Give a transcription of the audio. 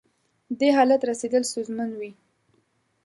دې حالت رسېدل ستونزمن وي.